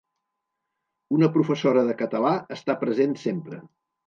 Una professora de català està present sempre.